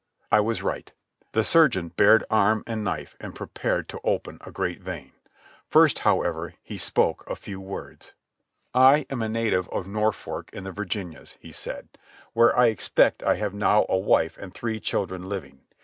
I was right. The surgeon bared arm and knife and prepared to open a great vein. First, however, he spoke a few words. "I am a native of Norfolk in the Virginias," he said, "where I expect I have now a wife and three children living.